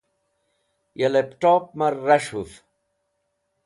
ya laptop mar ras̃huv